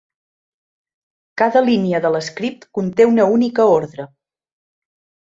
Cada línia de l'script conté una única ordre.